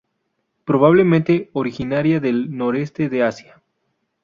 Probablemente originaria del noreste de Asia.